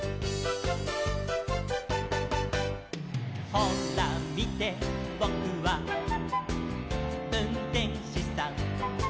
「ほらみてボクはうんてんしさん」